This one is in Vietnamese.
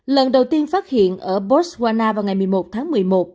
lần đầu tiên phát hiện ở botswana vào ngày một mươi một tháng một mươi một